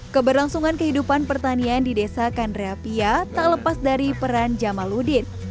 keberlangsungan kehidupan pertanian di desa kandreapia tak lepas dari peran jamaludin